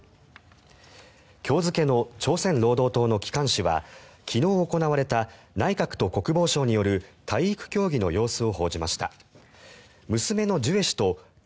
今日付の朝鮮労働党の機関紙は昨日行われた内閣と国防省による体育競技の様子を報じました。